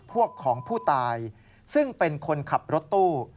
ของผู้ตายซึ่งเป็นคนขับรถตู้